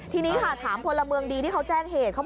ทีนี้ค่ะถามพลเมืองดีที่เขาแจ้งเหตุเขาบอก